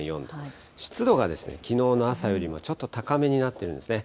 湿度がきのうの朝よりも、ちょっと高めになっているんですね。